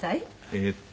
「えっと